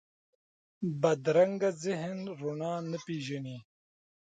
بدرنګه ذهن رڼا نه پېژني